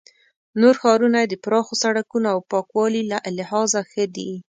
نور ښارونه یې د پراخو سړکونو او پاکوالي له لحاظه ښه دي.